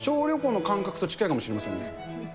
小旅行の感覚と近いかもしれませんね。